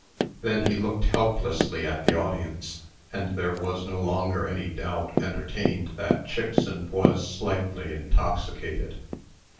Then he looked helplessly at the audience; and there was no longer any doubt entertained that Chickson was slightly intoxicated.